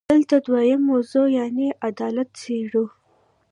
دلته دویمه موضوع یعنې عدالت څېړو.